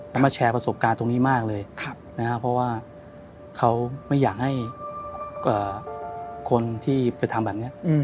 มาแชร์ประสบการณ์ตรงนี้มากเลยนะครับเพราะว่าเขาไม่อยากให้คนที่ไปทำแบบนี้